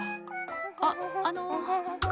あっあの。